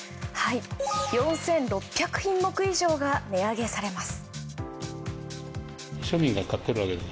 ４６００品目以上が値上げされます。